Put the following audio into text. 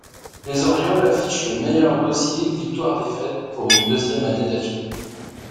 Les Orioles affichent le meilleur dossier victoires-défaites pour une deuxième année d'affilée.